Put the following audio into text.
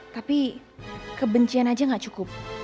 tapi kebencian aja gak cukup